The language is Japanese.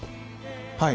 はい。